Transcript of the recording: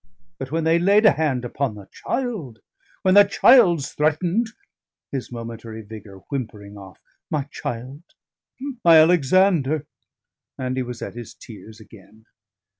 But when they laid a hand upon the child, when the child's threatened" his momentary vigour whimpering off "my child, my Alexander!" and he was at his tears again.